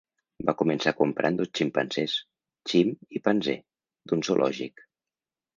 Va començar comprant dos ximpanzés, Chim i Panzee, d'un zoològic.